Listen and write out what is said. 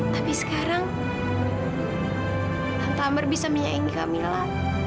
tapi sekarang tante amar bisa menyayangi camilla